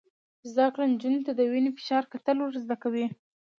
زده کړه نجونو ته د وینې فشار کتل ور زده کوي.